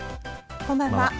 こんばんは。